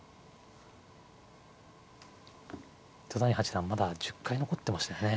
糸谷八段はまだ１０回残ってましたよね。